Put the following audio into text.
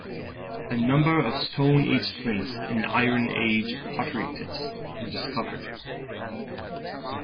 A number of Stone Age flints and Iron Age pottery pits were discovered.